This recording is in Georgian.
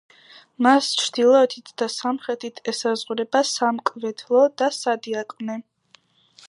მას ჩრდილოეთით და სამხრეთით ესაზღვრება სამკვეთლო და სადიაკვნე.